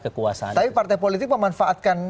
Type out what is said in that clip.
kekuasaan tapi partai politik memanfaatkan